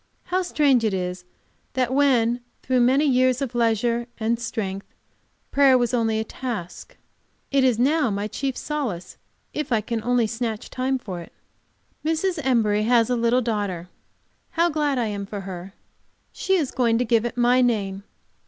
How strange it is that when, through many years of leisure and strength, prayer was only a task, it is now my chief solace if I can only snatch time for it. Mrs. Embury has a little daughter. How glad I am for her! She is going to give it my name.